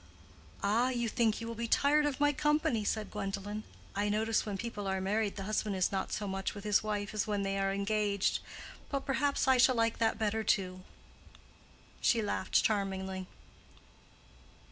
"Ah, you think you will be tired of my company," said Gwendolen. "I notice when people are married the husband is not so much with his wife as when they are engaged. But perhaps I shall like that better, too." She laughed charmingly.